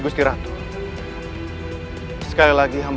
masuklah ke dalam